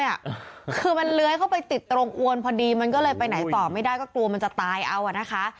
คือมันเลื้อยเข้าไปติดตรงอวนพอดีมันก็เลยไปไหนต่อไม่ได้ก็กลัวมันจะตายเอาอ่ะนะคะ